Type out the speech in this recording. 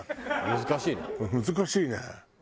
難しいね。